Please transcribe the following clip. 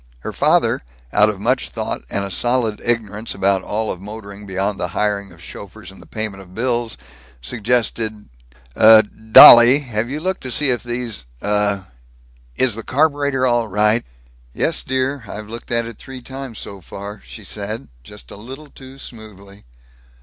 Her father, out of much thought and a solid ignorance about all of motoring beyond the hiring of chauffeurs and the payment of bills, suggested, "Uh, dolly, have you looked to see if these, uh Is the carburetor all right?" "Yes, dear; I've looked at it three times, so far," she said, just a little too smoothly.